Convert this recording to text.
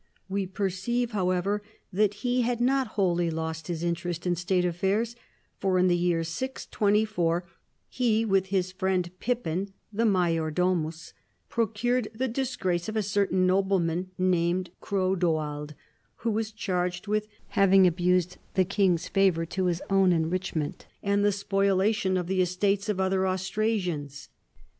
We perceive, however, that he had not wholly lost his interest in state affairs, for in the year 624 he, with his friend Pippin, the major domus, procured the disgrace of a certain nobleman named Chrodoald, who was charged with having abused the king's favor to his own en richment and the spoliation of the estates of other Austrasians.